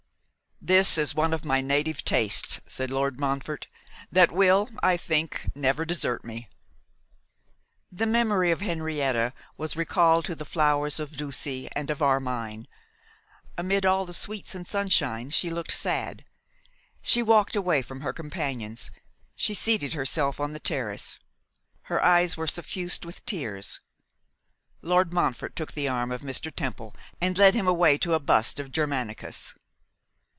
'This is one of my native tastes,' said Lord Montfort, 'that will, I think, never desert me.' The memory of Henrietta was recalled to the flowers of Ducie and of Armine. Amid all the sweets and sunshine she looked sad. She walked away from her companions; she seated herself on the terrace; her eyes were suffused with tears. Lord Montfort took the arm of Mr. Temple, and led him away to a bust of Germanicus.